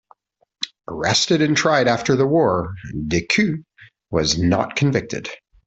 Arrested and tried after the war, Decoux was not convicted.